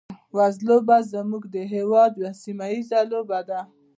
وزلوبه زموږ د هېواد یوه سیمه ییزه لوبه ده.